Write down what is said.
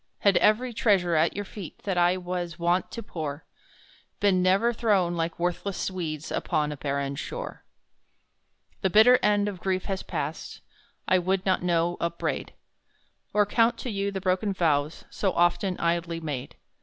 Had every treasure at your feet That I was wont to pour, Been never thrown like worthless weeds Upon a barren shore! The bitter edge of grief has passed, I would not now upbraid; Or count to you the broken vows, So often idly made!